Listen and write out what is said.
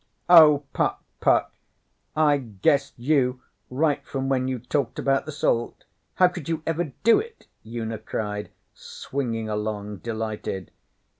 'Oh, Puck! Puck! I guessed you right from when you talked about the salt. How could you ever do it?' Una cried, swinging along delighted.